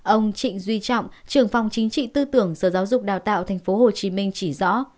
ông trịnh duy trọng trường phòng chính trị tư tưởng sở giáo dục đào tạo tp hcm chỉ rõ